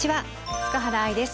塚原愛です。